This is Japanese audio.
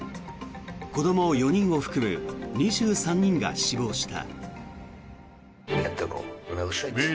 子ども４人を含む２３人が死亡した。